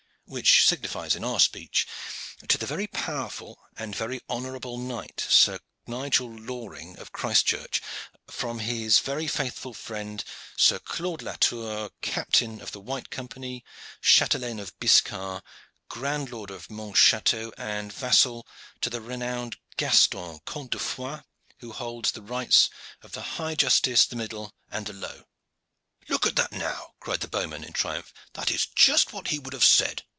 Which signifies in our speech: 'To the very powerful and very honorable knight, Sir Nigel Loring of Christchurch, from his very faithful friend Sir Claude Latour, captain of the White Company, chatelain of Biscar, grand lord of Montchateau and vassal to the renowned Gaston, Count of Foix, who holds the rights of the high justice, the middle and the low.'" "Look at that now!" cried the bowman in triumph. "That is just what he would have said."